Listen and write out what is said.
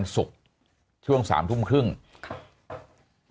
มีความรู้สึกว่า